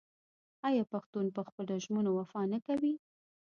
آیا پښتون په خپلو ژمنو وفا نه کوي؟